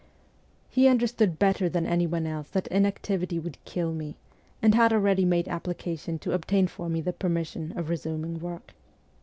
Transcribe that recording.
He understood better than any one else that inactivity would kill me, and had already made applica tion to obtain for me the permission of resuming work.